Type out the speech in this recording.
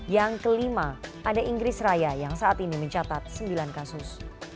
yang kelima ada inggris raya yang saat ini mencatat sembilan kasus